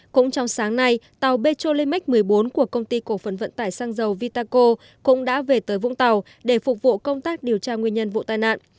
cũng trong sáng nay tàu petrolimax một mươi bốn của công ty cổ phần vận tải sang dầu vitaco cũng đã về tới vũng tàu để phục vụ công tác điều tra nguyên nhân vụ tai nạn